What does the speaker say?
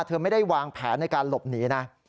เธอไม่ได้วางแผนในการหลบหนีนะ